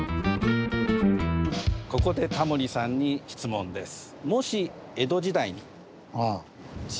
ここでタモリさんに質問です。